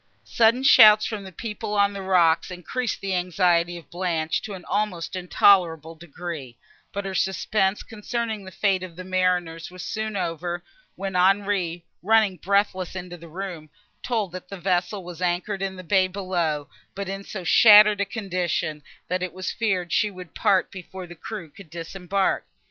Sudden shouts from the people on the rocks increased the anxiety of Blanche to an almost intolerable degree: but her suspense, concerning the fate of the mariners, was soon over, when Henri, running breathless into the room, told that the vessel was anchored in the bay below, but in so shattered a condition, that it was feared she would part before the crew could disembark.